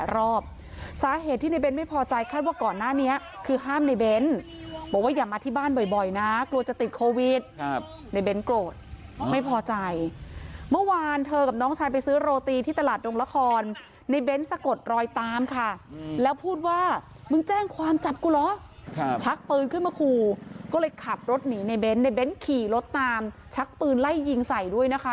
รถหนีในเบนท์ในเบนท์ขี่รถตามชักปืนไล่ยิงใส่ด้วยนะคะ